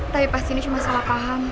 tapi pasti ini cuma salah paham